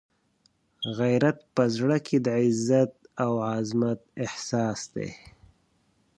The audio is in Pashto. غیرت په زړه کې د عزت او عزمت احساس دی.